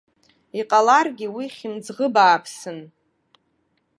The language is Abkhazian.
Иҟаларгьы, уи хьымӡӷы бааԥсын.